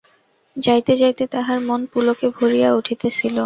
যাইতে যাইতে তাহার মন পুলকে ভরিয়া উঠিতেছিল।